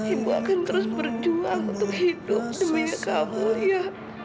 ibu akan terus berjuang untuk hidup demi kamu lia